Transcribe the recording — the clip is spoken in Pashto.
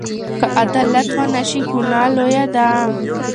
که عدالت ونشي، ګناه لویه ده.